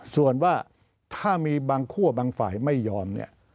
ส่วนว่าถ้ามีบางคั่วบางฝ่ายไม่ยอมเนี่ย